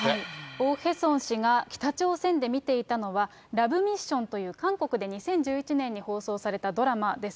オ・ヘソン氏が、北朝鮮で見ていたのは、ラブ・ミッションという韓国で２０１１年に放送されたドラマです。